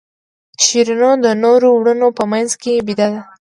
شیرینو د نورو وروڼو په منځ کې بېده ده.